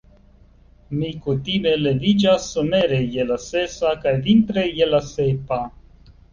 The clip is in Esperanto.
Mi kutime leviĝas somere je la sesa kaj vintre je la sepa.